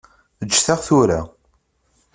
Ǧǧet-aɣ tura.